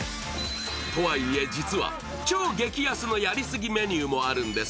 とはいえ、実は超激安のやりすぎメニューもあるんです。